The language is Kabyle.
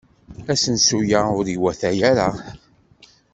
Asensu-a ur iwata ara.